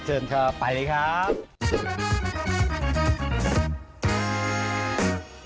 เชิญเธอไปเลยครับ